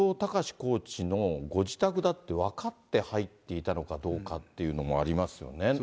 コーチのご自宅だって分かって入っていたのかどうかっていうのもありますよね。